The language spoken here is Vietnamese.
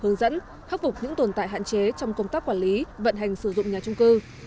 hướng dẫn khắc phục những tồn tại hạn chế trong công tác quản lý vận hành sử dụng nhà trung cư